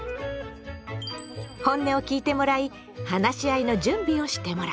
本音を聞いてもらい話し合いの準備をしてもらう。